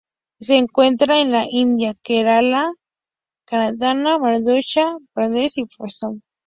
Se encuentra en la India: Kerala, Karnataka, Maharashtra, Madhya Pradesh y Assam.